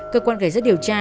cơ quan gải giác điều tra